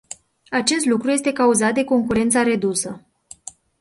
Acest lucru este cauzat de concurența redusă.